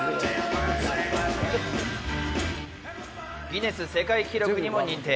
ギネス世界記録にも認定。